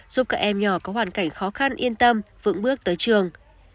giúp các em nhỏ có hoàn cảnh khó khăn yên tâm vững bước tới trường